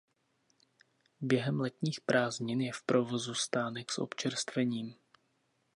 Během letních prázdnin je v provozu stánek s občerstvením.